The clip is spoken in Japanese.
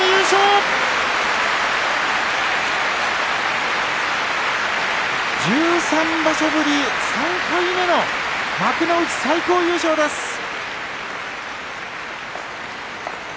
１３場所ぶり、３回目の幕内最高優勝です。